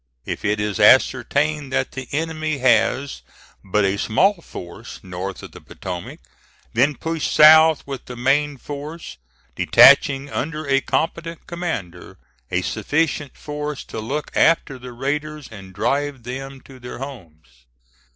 If it is ascertained that the enemy has but a small force north of the Potomac, then push south with the main force, detaching under a competent commander, a sufficient force to look after the raiders, and drive them to their homes.